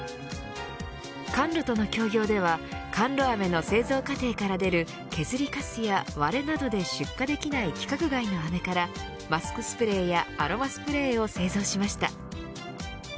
カンロとの協業ではカンロ飴の製造過程から出る削りかすや割れなどで出荷できない規格外の飴からマスクスプレーやアロマスプレーを製造しました。